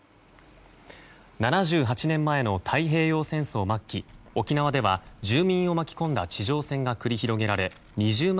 ７８年前の太平洋戦争末期沖縄では、住民を巻き込んだ地上戦が繰り広げられ２０万